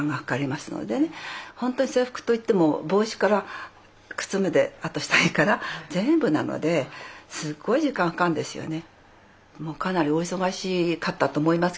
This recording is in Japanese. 本当に制服といっても帽子から靴まであと下着から全部なのですごい時間かかるんですよね。